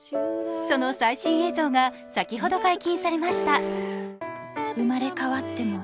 その最新映像が先ほど解禁されました。